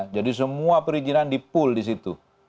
jadi semua perizinan dipul di situ